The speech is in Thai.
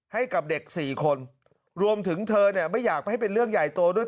ให้กับเด็กสี่คนรวมถึงเธอเนี่ยไม่อยากให้เป็นเรื่องใหญ่โตด้วย